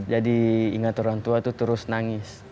jadi ingat orang tua tuh terus nangis